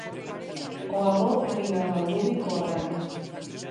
O avó avivaba o lume co abano.